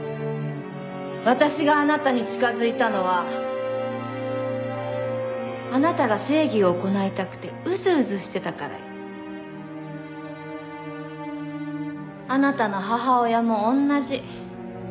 私があなたに近づいたのはあなたが正義を行いたくてウズウズしてたからよ。あなたの母親も同じ。